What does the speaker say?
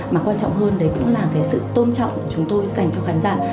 mà quan trọng hơn đấy cũng là cái sự tôn trọng chúng tôi dành cho khán giả